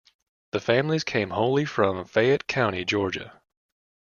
The families came wholly from Fayette County, Georgia.